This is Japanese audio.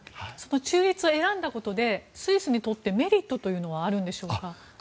中立を選んだことでスイスにとってメリットというのはあるんでしょうか。